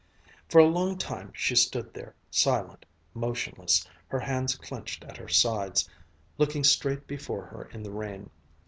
For a long time she stood there, silent, motionless, her hands clenched at her sides, looking straight before her in the rain.